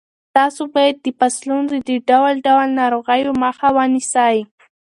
تاسو باید د فصلونو د ډول ډول ناروغیو مخه ونیسئ.